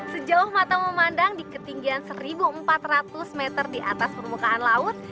sejauh mata memandang di ketinggian satu empat ratus meter di atas permukaan laut